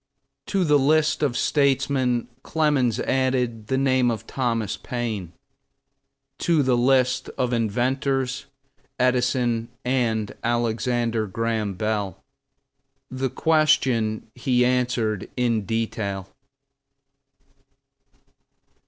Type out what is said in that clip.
To the list of statesmen Clemens added the name of Thomas Paine; to the list of inventors, Edison and Alexander Graham Bell. The question he answered in detail.